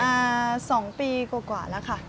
มา๒ปีกว่าแล้วค่ะ